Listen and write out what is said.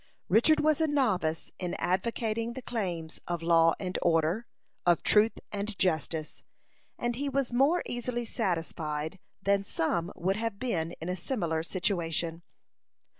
Richard was a novice in advocating the claims of law and order, of truth and justice; and he was more easily satisfied than some would have been in a similar situation.